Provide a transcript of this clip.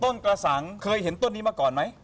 กระสังเคยเห็นต้นนี้มาก่อนไหม